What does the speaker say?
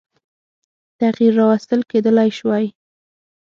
تغییر راوستل کېدلای شوای.